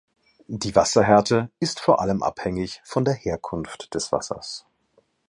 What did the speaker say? Die Wasserhärte ist vor allem abhängig von der Herkunft des Wassers.